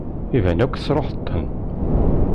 Iban akk tesṛuḥeḍ-ten.